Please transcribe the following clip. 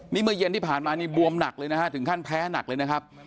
นี่เมื่อเย็นที่ผ่านมานี่บวมหนักเลยนะฮะถึงขั้นแพ้หนักเลยนะครับ